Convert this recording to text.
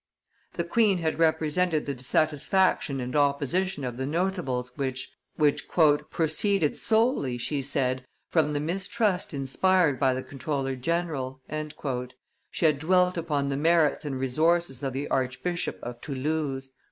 The queen had represented the dissatisfaction and opposition of the notables, which "proceeded solely," she said, "from the mistrust inspired by the comptroller general;" she had dwelt upon the merits and resources of the Archbishop of Toulouse.